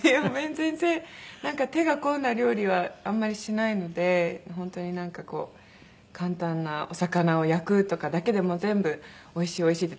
全然手が込んだ料理はあんまりしないので本当になんかこう簡単なお魚を焼くとかだけでも全部「おいしいおいしい」って。